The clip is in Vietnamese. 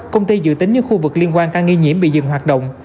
công ty dự tính những khu vực liên quan ca nghi nhiễm bị dừng hoạt động